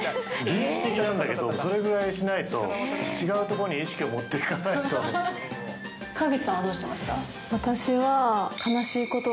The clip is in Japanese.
原始的なんだけど、それぐらいしないと、違うところに意識を持っていかないと。